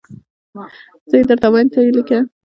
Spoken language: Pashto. زه یي درته وایم ته یي لیکه